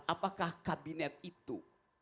apakah kabinet itu